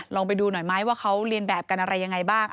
ลองไปดูหน่อยไหมว่าเขาเรียนแบบกันอะไรยังไงบ้าง